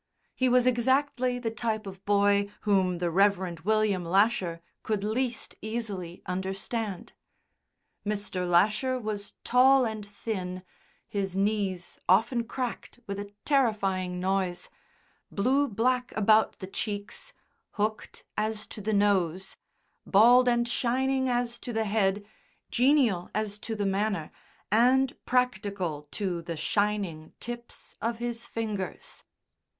He was exactly the type of boy whom the Rev. William Lasher could least easily understand. Mr. Lasher was tall and thin (his knees often cracked with a terrifying noise), blue black about the cheeks hooked as to the nose, bald and shining as to the head, genial as to the manner, and practical to the shining tips of his fingers.